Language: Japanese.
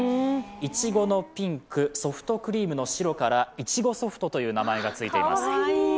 いちごのピンク、ソフトクリームの白からいちごソフトという名前がついています。